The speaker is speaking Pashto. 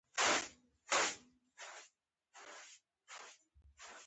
کروندګر د خاورې ساتنه د خپل ژوند برخه ګڼي